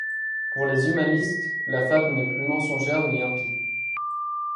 Pour les humanistes la fable n'est plus mensongère ni impie.